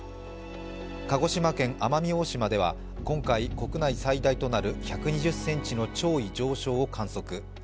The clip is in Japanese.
鹿児島県奄美大島では今回、国内最大となる１２０ｃｍの潮位上昇を観測。